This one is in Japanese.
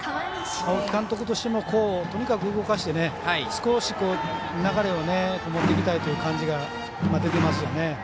青木監督としてもとにかく動かして少し流れを持っていきたいという感じが今、出ていますよね。